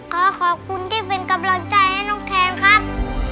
ขอขอบคุณที่เป็นกำลังใจให้น้องแทนครับ